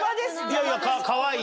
いやいやかわいい。